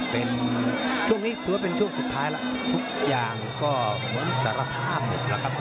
เป็นช่วงนี้ถือว่าเป็นช่วงสุดท้ายแล้วทุกอย่างก็เหมือนสารภาพหมดแล้วครับ